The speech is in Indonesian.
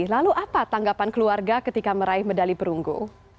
lalu apa tanggapan keluarga ketika meraih medali perunggu